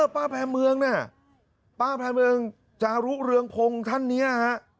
แพร่เมืองน่ะป้าแพรเมืองจารุเรืองพงศ์ท่านเนี่ยฮะ